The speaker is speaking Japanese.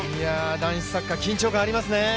男子サッカー緊張感がありますね。